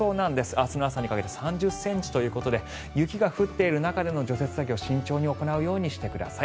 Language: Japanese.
明日の朝にかけて３０ｃｍということで雪が降っている中での除雪作業慎重にするようにしてください。